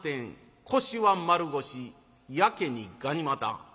腰は丸腰やけにがに股。